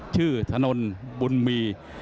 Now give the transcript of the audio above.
ชื่อถนนบุญมี